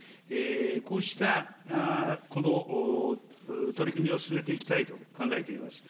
こうした、この取り組みを進めていきたいと考えています。